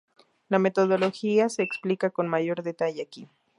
La metodología se explica con mayor detalle aquí.